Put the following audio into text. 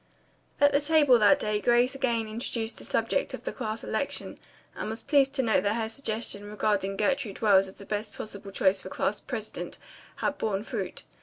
At the dinner table that day Grace again introduced the subject of the class election and was pleased to note that her suggestion regarding Gertrude Wells as the best possible choice for class president had borne fruit.